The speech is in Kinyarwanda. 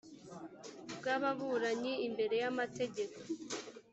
bw ababuranyi imbere y amategeko